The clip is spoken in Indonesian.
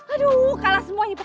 aduh kalah semua ini pa